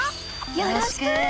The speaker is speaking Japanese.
よろしく！